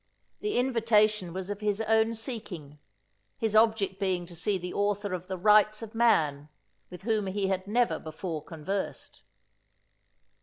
The invitation was of his own seeking, his object being to see the author of the Rights of Man, with whom he had never before conversed.